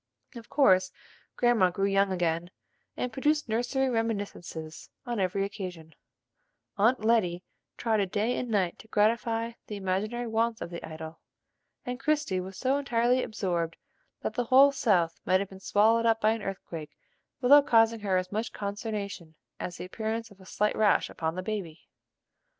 Of course Grandma grew young again, and produced nursery reminiscences on every occasion; Aunt Letty trotted day and night to gratify the imaginary wants of the idol, and Christie was so entirely absorbed that the whole South might have been swallowed up by an earthquake without causing her as much consternation as the appearance of a slight rash upon the baby.